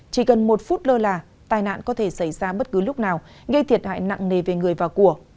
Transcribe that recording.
chỉ cần một phút lơ là tai nạn có thể xảy ra bất cứ lúc nào gây thiệt hại nặng nề về người và của